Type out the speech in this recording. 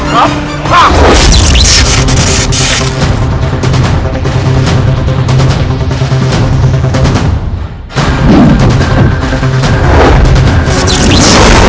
kau mengeluarkan senjata